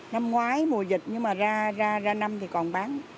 năm ngoái mùa dịch nhưng mà ra năm thì còn bán